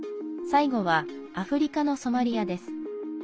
最後はアフリカのソマリアです。